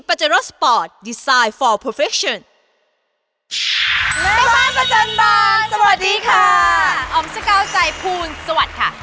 ไอล์โหลดแล้ว